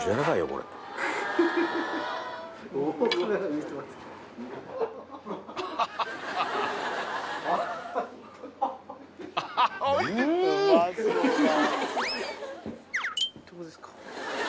これどうですか？